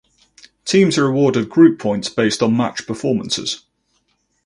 Teams are awarded group points based on match performances.